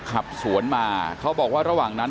ขับสวนมาเขาบอกว่าระหว่างนั้น